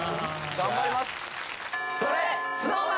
頑張ります